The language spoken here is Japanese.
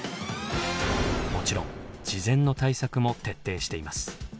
もちろん事前の対策も徹底しています。